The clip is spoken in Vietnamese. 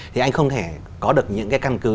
thì anh không thể có được những cái căn cứ